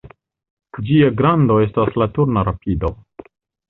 Ĝia grando estas la turna rapido.